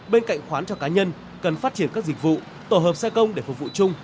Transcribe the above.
bên cạnh khoán cho cá nhân cần phát triển các dịch vụ tổ hợp xe công để phục vụ chung